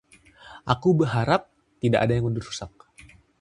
Aku harap tidak ada yang dirusak.